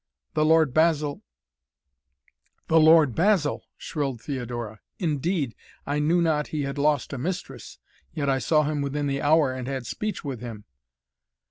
"The Lord Basil " "The Lord Basil!" shrilled Theodora. "Indeed I knew not he had lost a mistress. Yet I saw him within the hour and had speech with him."